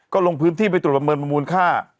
ก็ลงพื้นที่ไปตรวจประเมินมูลค่า